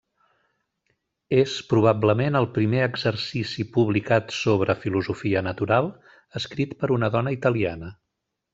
És probablement el primer exercici publicat sobre filosofia natural escrit per una dona italiana.